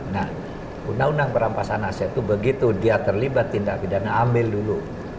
nah undang undang perampasan aset itu begitu dia terlibat tindak pidana ambil dulu